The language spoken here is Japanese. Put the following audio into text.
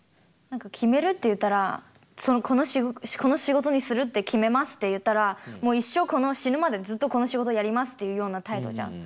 何か決めるって言ったらこの仕事にするって決めますって言ったらもう一生死ぬまでずっとこの仕事をやりますっていうような態度じゃん。